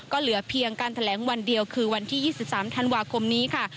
ก็เหลือเพียงการแถลงวันเดียวคือวันที่๒๓ธันวาคมนี้ค่ะ